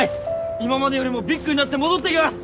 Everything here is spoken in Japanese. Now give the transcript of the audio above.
今までよりもビッグになって戻ってきます。